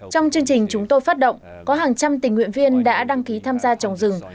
trong chương trình chúng tôi phát động có hàng trăm tình nguyện viên đã đăng ký tham gia trồng rừng